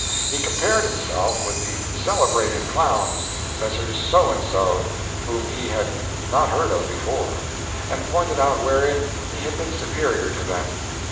He compared himself with the "celebrated" clowns, Messrs. So and So, whom we had not heard of before, and pointed out wherein he had been superior to them.